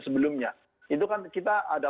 sebelumnya itu kan kita ada